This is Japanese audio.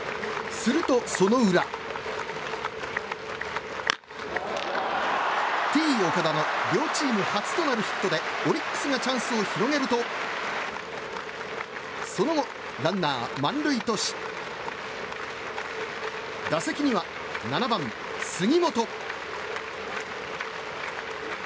するとその裏Ｔ‐岡田の両チーム初となるヒットでオリックスがチャンスを広げるとその後、ランナー満塁とし打席には７番、杉本。